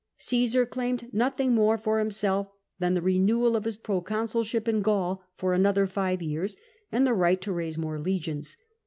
Csesar claimed nothing more for himself than the renewal of his proconsulship in Gaul for another five years, and the right to raise more legions.